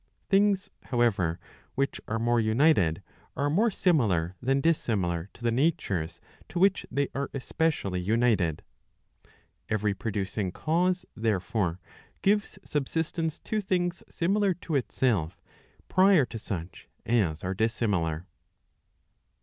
Things, however, which are more united, are mote similar than dissimilar to the natures to which they are especially United. Every producing cause, therefore, gives sub¬ sistence to things similar to itself prior to such as are dissimilar.